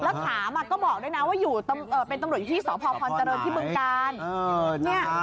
แล้วถามก็บอกด้วยนะว่าอยู่เป็นตำรวจอยู่ที่สพพรเจริญที่บึงกาล